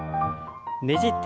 ねじって。